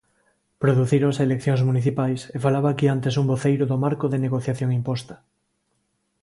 Producíronse eleccións municipais, e falaba aquí antes un voceiro do marco de negociación imposta.